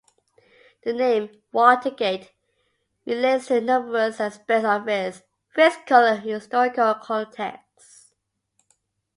The name "Watergate" relates to numerous aspects of its physical and historical context.